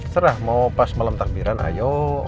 serah mau pas malam takbiran ayo